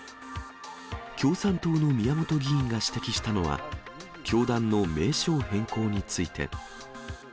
共産党の宮本議員が指摘したのは、教団の名称変更について。